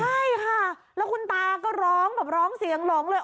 ใช่ค่ะแล้วคุณตาก็ร้องแบบร้องเสียงหลงเลย